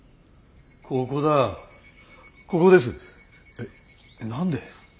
えっ何で？